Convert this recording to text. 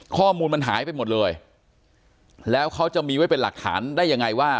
ข้อมูลมันหายไปหมดเลยแล้วเขาจะมีไว้เป็นหลักฐานได้ยังไงว่า